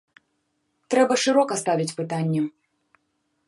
Трэба шырока ставіць пытанне.